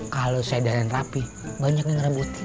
kalo saya dandan rapi banyak yang ngerebutin